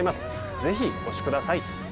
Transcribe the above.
ぜひお越しください。